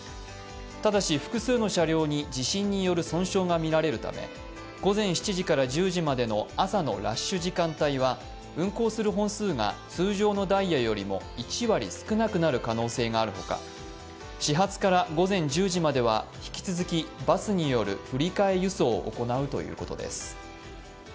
ただし、複数の車両に地震による損傷が見られるため、午前７時から１０時までの朝のラッシュ時間帯は運行する本数が通常のダイヤよりも１割少なくなる可能性があるほか始発から午前１０時までは引き続きバスによる振り替え輸送を行うということです。